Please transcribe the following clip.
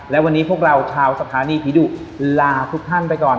และวันนี้พวกเราชาวสถานีผีดุลาทุกท่านไปก่อน